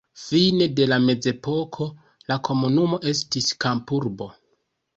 Fine de la mezepoko la komunumo estis kampurbo.